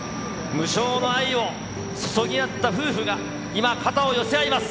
無償の愛を注ぎ合った夫婦が今、肩を寄せ合います。